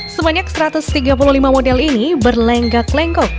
sebanyak satu ratus tiga puluh lima model ini berlenggak lengkok